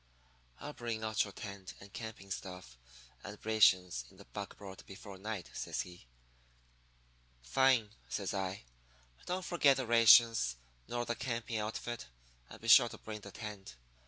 "'I'll bring out your tent and camping outfit and rations in the buckboard before night,' says he. "'Fine,' says I. 'And don't forget the rations. Nor the camping outfit. And be sure to bring the tent.